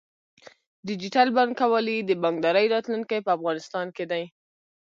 ډیجیټل بانکوالي د بانکدارۍ راتلونکی په افغانستان کې دی۔